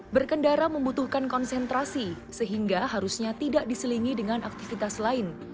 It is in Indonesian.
berkendara membutuhkan konsentrasi sehingga harusnya tidak diselingi dengan aktivitas lain